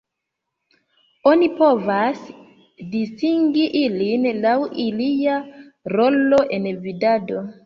Oni povas distingi ilin laŭ ilia rolo en vidado.